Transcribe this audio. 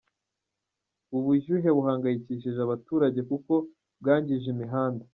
Ubu bushyuhe buhangayikishije abaturage kuko bwangije imihanda.